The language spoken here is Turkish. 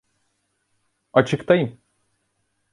Açıktayım!